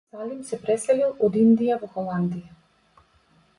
Салим се преселил од Индија во Холандија.